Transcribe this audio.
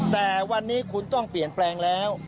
แต่วันนี้คุณต้องเปลี่ยนแปลงแล้ว